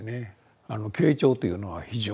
傾聴というのは非常に。